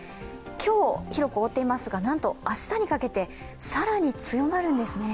今日広く覆っていますがなんと明日にかけて、更に強まるんですね。